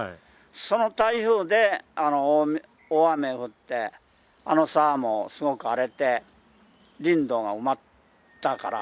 その台風で大雨降って、あの沢もすごく荒れて、林道が埋まったから。